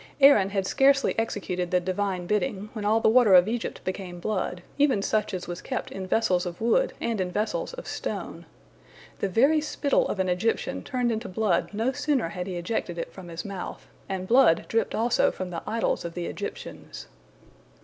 Aaron had scarcely executed the Divine bidding, when all the water of Egypt became blood, even such as was kept in vessels of wood and in vessels of stone. The very spittle of an Egyptian turned into blood no sooner had he ejected it from his mouth, and blood dripped also from the idols of the Egyptians.